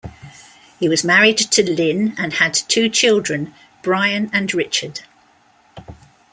He was married to Lynne and had two children, Bryan and Richard.